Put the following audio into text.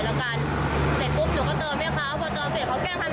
เสร็จปุ๊บหนูก็เติมไว้คร้าวพอเติมเสร็จเขาเกลี้ยงพันธุ์